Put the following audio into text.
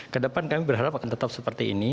kedepan kami berharap akan tetap seperti ini